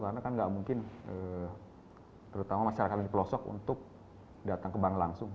karena kan gak mungkin terutama masyarakat di pelosok untuk datang ke bank langsung